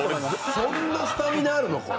そんなスタミナあるの？